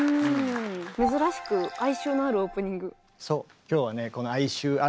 珍しく哀愁のあるオープニング。